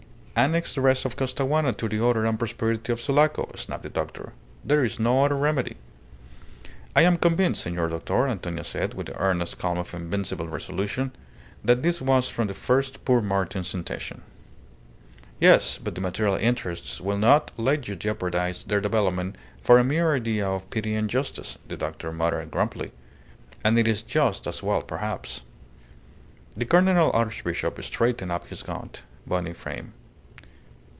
"Annex the rest of Costaguana to the order and prosperity of Sulaco," snapped the doctor. "There is no other remedy." "I am convinced, senor doctor," Antonia said, with the earnest calm of invincible resolution, "that this was from the first poor Martin's intention." "Yes, but the material interests will not let you jeopardize their development for a mere idea of pity and justice," the doctor muttered grumpily. "And it is just as well perhaps." The Cardinal Archbishop straightened up his gaunt, bony frame.